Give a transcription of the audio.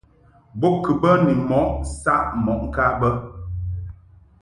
Bo kɨ bə ni mɔʼ saʼ mɔʼ ŋka bə.